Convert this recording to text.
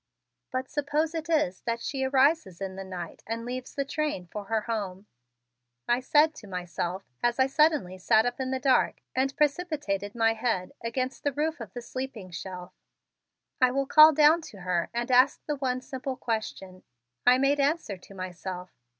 "But suppose it is that she arises in the night and leaves the train for her home!" I said to myself as I suddenly sat up in the dark and precipitated my head against the roof of the sleeping shelf. "I will call down to her and ask the one simple question," I made answer to myself.